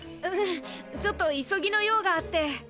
うんちょっと急ぎの用があって。